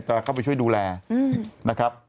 จะเข้าไปช่วยดูแลนะครับ